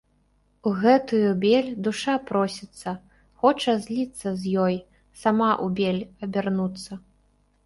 У гэтую бель душа просіцца, хоча зліцца з ёй, сама ў бель абярнуцца.